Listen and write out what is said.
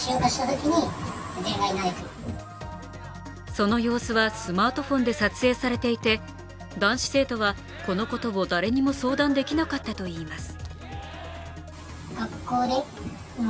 その様子はスマートフォンで撮影されていて男子生徒はこのことを誰にも相談できなかったといいます。